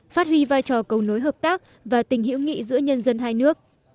phát huy vai trò cầu nối hợp tác và tình hữu nghị giữa nhân dân hai nước